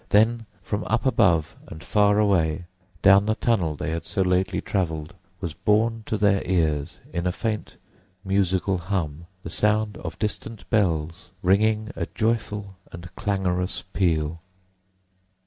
Then, from up above and far away, down the tunnel they had so lately travelled was borne to their ears in a faint musical hum the sound of distant bells ringing a joyful and clangorous peal.